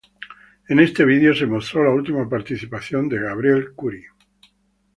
En este video, se mostró la última participación de Gabriel Kuri.